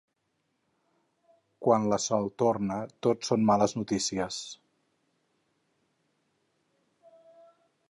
Quan la Sol torna tot són males notícies.